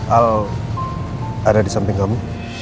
al ada di samping kami